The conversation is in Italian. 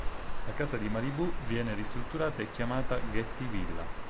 La casa di Malibù viene ristrutturata e chiamata "Getty Villa".